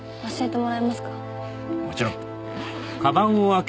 もちろん。